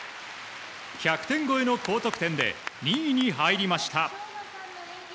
１００点超えの高得点で２位に入りました。